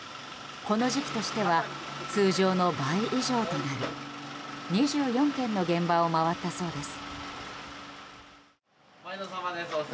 この時期としては通常の倍以上となる２４軒の現場を回ったそうです。